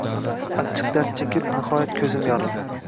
Achchiq dard chekib, nihoyat, ko`zim yoridi